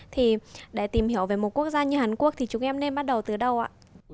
thì để tìm hiểu về một quốc gia như hàn quốc thì chúng em nên bắt đầu từ đâu ạ